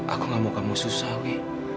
aku nggak mau kamu susah wi